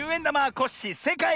コッシーせいかい！